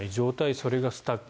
それがスタック。